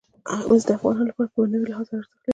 مس د افغانانو لپاره په معنوي لحاظ ارزښت لري.